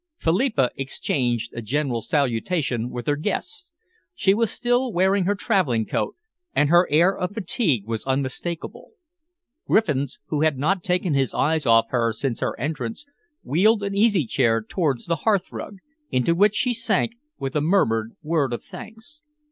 Philippa exchanged a general salutation with her guests. She was still wearing her travelling coat, and her air of fatigue was unmistakable. Griffiths, who had not taken his eyes off her since her entrance, wheeled an easy chair towards the hearth rug, into which she sank with a murmured word of thanks.